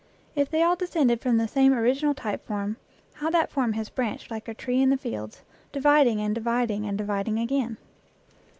If they all de scended from the same original type form, how that form has branched like a tree in the fields dividing and dividing and dividing again!